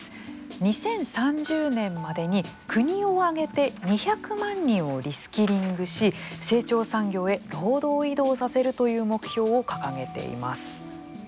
２０３０年までに国を挙げて２００万人をリスキリングし成長産業へ労働移動させるという目標を掲げています。